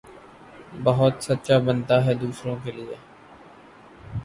بہت سچا بنتا ھے دوسروں کے لئے